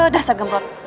dah saya gemrot